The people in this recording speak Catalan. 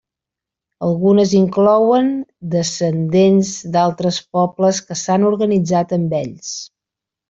Algunes inclouen descendents d'altres pobles que s'han organitzat amb ells.